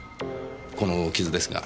この傷ですが。